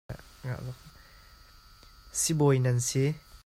Sibawi nan si.